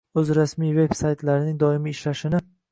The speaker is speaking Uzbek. o‘z rasmiy veb-saytlarining doimiy ishlashini